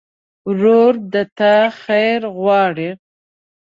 ورور د تا خیر غواړي.